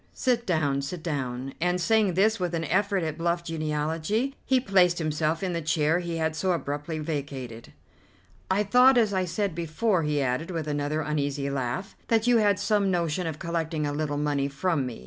Sit down, sit down," and, saying this with an effort at bluff geniality, he placed himself in the chair he had so abruptly vacated. "I thought, as I said before," he added, with another uneasy laugh, "that you had some notion of collecting a little money from me.